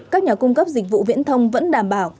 các nhà cung cấp dịch vụ viễn thông vẫn đảm bảo